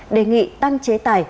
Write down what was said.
đề nghị tăng chế tài